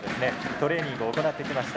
トレーニングを行ってきました。